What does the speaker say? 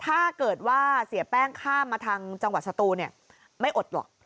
ถ้าเกิดว่าเสียแป้งข้ามมาทางจังหวัดสตูนไม่อดหรอก